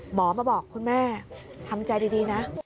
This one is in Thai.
หมอมาบอกคุณแม่ทำใจดีนะ